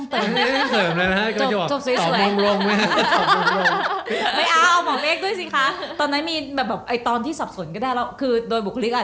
ประมาณนั้นมากว่า